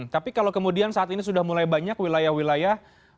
tapi kalau kemudian saat ini sudah mulai banyak wilayah wilayah